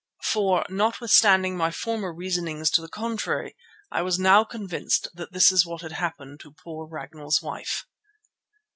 For, notwithstanding my former reasonings to the contrary, I was now convinced that this was what had happened to poor Ragnall's wife.